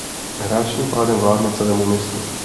Hráč tím pádem vládne celému městu.